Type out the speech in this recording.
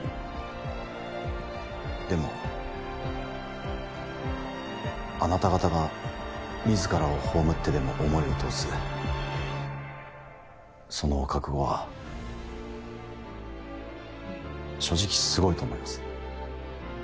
でもあなた方が自らを葬ってでも思いを通すその覚悟は正直すごいと思います。